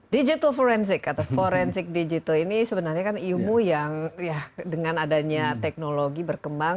digital forensik atau forensik digital ini sebenarnya kan ilmu yang ya dengan adanya teknologi berkembang